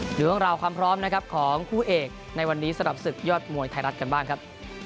เรื่องราวความพร้อมนะครับของคู่เอกในวันนี้สำหรับศึกยอดมวยไทยรัฐกันบ้างครับ